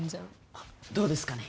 あっ、どうですかね？